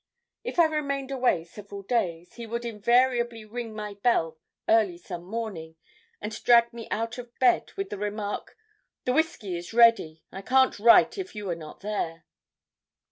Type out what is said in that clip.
"If I remained away several days, he would invariably ring my bell early some morning, and drag me out of bed with the remark: 'The whisky is ready. I can't write if you are not there.'